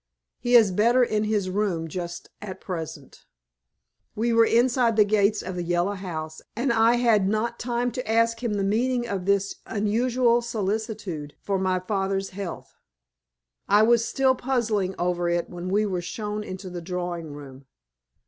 He is better in his room just at present." We were inside the gates of the Yellow House, and I had not time to ask him the meaning of this unusual solicitude for my father's health. I was still puzzling over it when we were shown into the drawing room.